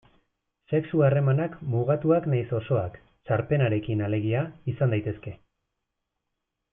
Sexu-harremanak mugatuak nahiz osoak, sarpenarekin alegia, izan daitezke.